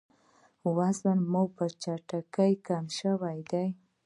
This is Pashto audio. ایا وزن مو په چټکۍ کم شوی دی؟